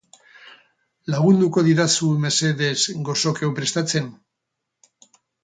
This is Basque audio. Lagunduko didazu mesedez goxoki hau prestatzen?